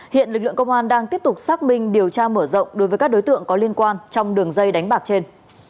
hiện lực lượng công an đang tiếp tục xác minh điều tra mở rộng đối với các đối tượng có liên quan trong đường dây đánh bạc trên